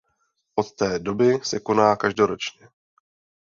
Od té doby se koná každoročně.